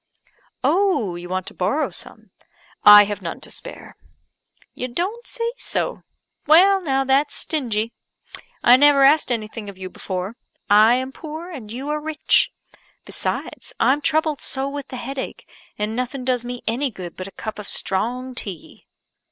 "Oh, you want to borrow some? I have none to spare." "You don't say so. Well now, that's stingy. I never asked anything of you before. I am poor, and you are rich; besides, I'm troubled so with the headache, and nothing does me any good but a cup of strong tea."